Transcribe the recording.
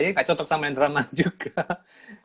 jadi gak cocok sama yang drama juga